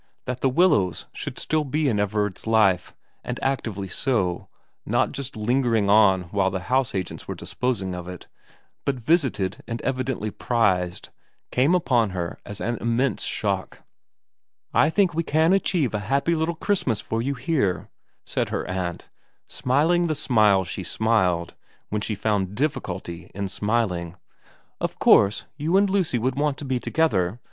That The Willows should still be in Everard's life, and actively so, not just lingering on while house agents were disposing of it, but visited and evidently prized, came upon her as an immense shock. ' I think we can achieve a happy little Christmas for you here,' said her aunt, smiling the smile she smiled when she found difficulty in smiling. ' Of course VERA 125 you and Lucy would want to be together.